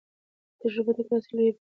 که تجربه تکرار سي، لویه تېروتنه نه کېږي.